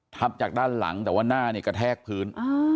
ทับจากด้านหลังแต่ว่าหน้าเนี่ยกระแทกพื้น